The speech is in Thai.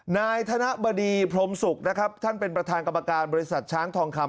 นายธนบดีพรมศุกร์นะครับท่านเป็นประธานกรรมการบริษัทช้างทองคำ